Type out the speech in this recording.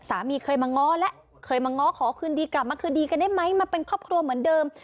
สามีเคยมาง้อแล้วเคยมาง้อขอคืนดีกลับมาคืนดีกันได้ไหมมาเป็นครอบครัวเหมือนเดิม